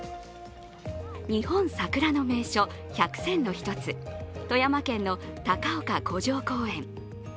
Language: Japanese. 日本さくら名所１００選の一つ、富山県の高岡古城公園。